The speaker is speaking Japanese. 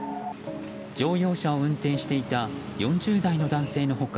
乗用車を運転していた４０代の男性の他